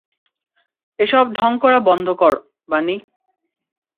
এসব ঢং করা বন্ধ কর, বানি।